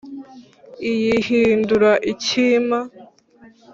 iyihindura icyima